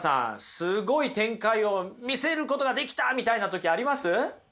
すごい展開を見せることができたみたいな時あります？